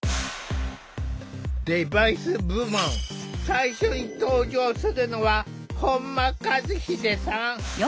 デバイス部門最初に登場するのは本間一秀さん。